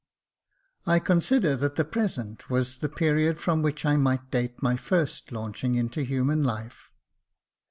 I CONSIDER that the present was the period from which I might date my first launching into human life.